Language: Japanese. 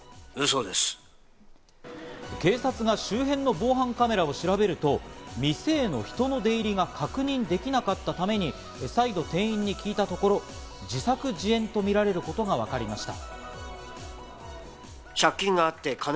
警察が周辺の防犯カメラを調べると、店への人の出入りが確認できなかったために再度店員に聞いたところ、自作自演とみられることがわかりました。